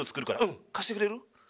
うん貸してくれる？